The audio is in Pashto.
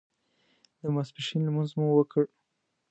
د ماسپښین لمونځ مو وکړ.